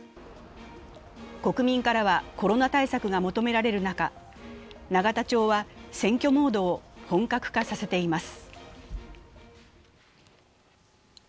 国民からはコロナ対策が求められる中、永田町は選挙モードを本格化させています。